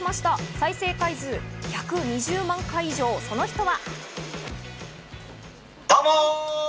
再生回数１２０万回以上、その人は。